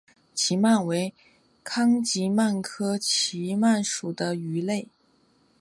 奇鳗为康吉鳗科奇鳗属的鱼类。